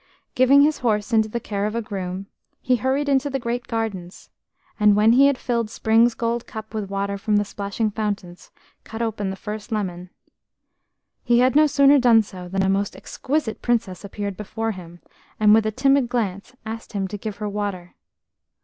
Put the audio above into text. Giving his horse into the care of a groom, he hurried into the great gardens, and, when he had filled Spring's gold cup with water from the splashing fountains, cut open the first lemon. He had no sooner done so, than a most exquisite Princess appeared before him, and with a timid glance asked him to give her water.